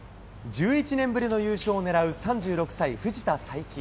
１１年ぶりの優勝をねらう３６歳、藤田さいき。